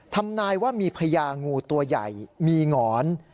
ทำนายว่ามีพญางูตัวใหญ่มีหงอน